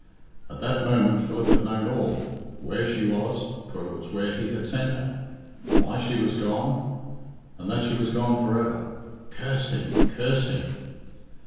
At that moment Philip had known all where she was (for it was where he had sent her), why she was gone, and that she was gone for ever. Curse him! Curse him!